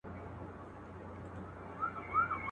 چي په غم او په ښادي کي خوا په خوا سي.